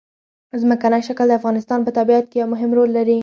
ځمکنی شکل د افغانستان په طبیعت کې یو مهم رول لري.